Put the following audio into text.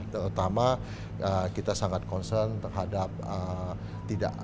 terutama kita sangat concern terhadap tidak